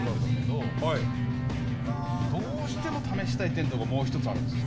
どうしても試したいテントがもう１つあるんです。